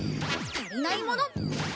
足りないもの。